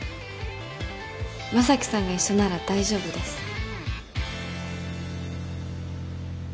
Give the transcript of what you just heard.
将貴さんが一緒なら大丈夫です。